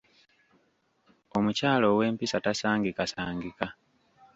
Omukyala ow'empisa tasangikasangika.